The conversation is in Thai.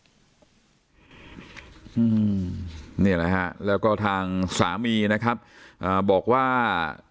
นี่แหละฮะแล้วก็ทางสามีนะครับอ่าบอกว่า